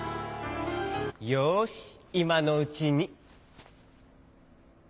よしいまのうちに。